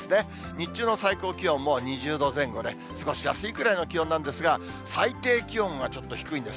日中の最高気温も２０度前後で、過ごしやすいくらいの気温なんですが、最低気温がちょっと低いんです。